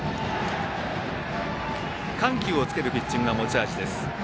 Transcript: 緩急をつけるピッチングが持ち味です。